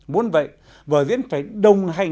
muốn vậy vở diễn phải đồng hành